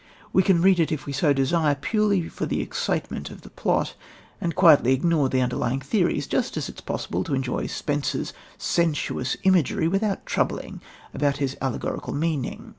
We can read it, if we so desire, purely for the excitement of the plot, and quietly ignore the underlying theories, just as it is possible to enjoy Spenser's sensuous imagery without troubling about his allegorical meaning.